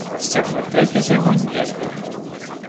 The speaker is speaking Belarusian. Сцягнуць трэкі з яго нельга.